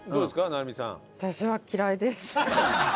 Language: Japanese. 成海さん。